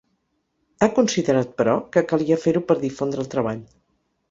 Ha considerat, però, que calia fer-ho per difondre el treball.